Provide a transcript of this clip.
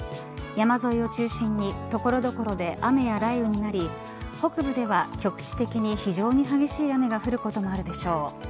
山沿いを中心に所々で雨や雷雨になり北部では局地的に非常に激しい雨が降ることもあるでしょう。